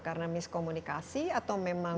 karena miskomunikasi atau memang